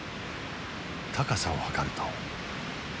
高さを測ると。